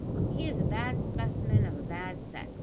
He is a bad specimen of a bad sex.